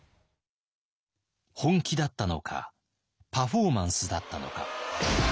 本気だったのかパフォーマンスだったのか。